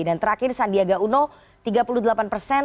dan terakhir sandiaga uno tiga puluh delapan persen